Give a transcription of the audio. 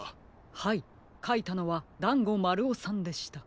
はいかいたのはだんごまるおさんでした。